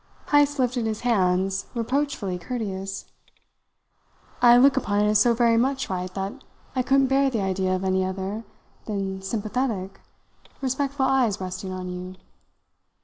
Heyst lifted his hands, reproachfully courteous. "I look upon it as so very much right that I couldn't bear the idea of any other than sympathetic, respectful eyes resting on you.